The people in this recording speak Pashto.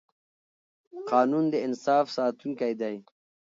قانون د انصاف ساتونکی دی